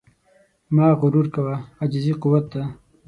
مه غرور کوه، عاجزي قوت دی.